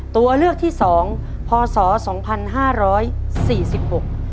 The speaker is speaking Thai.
ตัวเลือกที่สองพศสองพันห้าร้อยสี่สิบหก